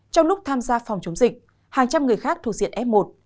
trong lúc tham gia phòng chống dịch hàng trăm người khác thuộc diện f một